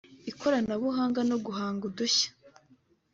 ikoranabuhanga no guhanga udushya